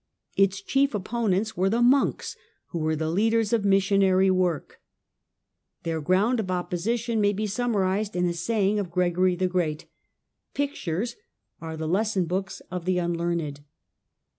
Its chief opponents were the monks, who were the leaders of missionary work. Their ground of opposition may be summarised in a saying of Gregory the Great, " Pic tures are the lesson books of the unlearned